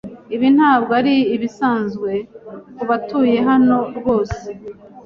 Ibi ntabwo ari ibisanzwe kubatuye hano rwose.